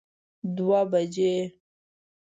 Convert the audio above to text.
دوه بجی